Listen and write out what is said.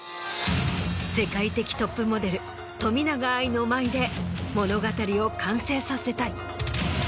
世界的トップモデル冨永愛の舞で物語を完成させたい。